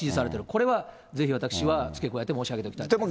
これはぜひ私は付け加えて申し上げておきたいと思います。